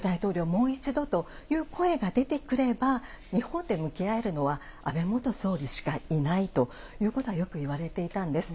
もう一度という声が出てくれば、日本で向き合えるのは安倍元総理しかいないということは、よくいわれていたんです。